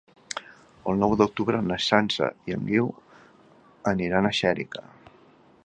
El nou d'octubre na Sança i en Guiu aniran a Xèrica.